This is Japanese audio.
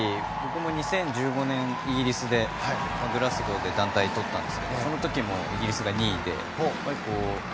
僕も２０１５年イギリスのグラスゴーで団体をとったんですがその時も、イギリスが２位で。